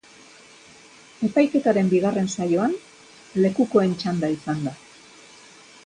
Epaiketaren bigarren saioan lekukoen txanda izan da.